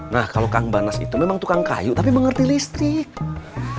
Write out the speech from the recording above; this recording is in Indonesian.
nah kalau kang banas itu memang tukang kayu tapi mengerti listrik